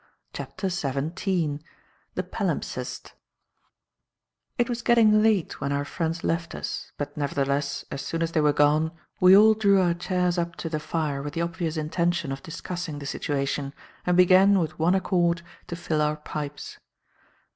CHAPTER XVII THE PALIMPSEST IT was getting late when our friends left us, but nevertheless, as soon as they were gone, we all drew our chairs up to the fire with the obvious intention of discussing the situation and began, with one accord, to fill our pipes.